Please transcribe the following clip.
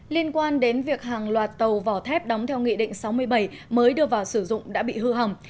liên quan đến việc hàng loạt tàu vỏ thép đóng theo nghị định sáu mươi bảy mới đưa vào sử dụng đã bị hư hỏng